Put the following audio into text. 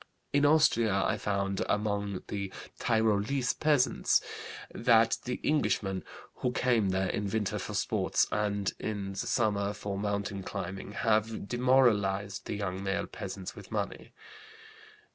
In Austria I found, among the Tyrolese peasants, that the Englishmen, who come there in winter for sports and in the summer for mountain climbing, have demoralized the young male peasants with money.